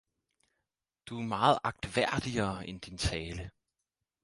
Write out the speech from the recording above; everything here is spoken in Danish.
»Du er meget agtværdigere end din Tale!